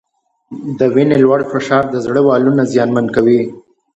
د وینې لوړ فشار د زړه والونه زیانمن کوي.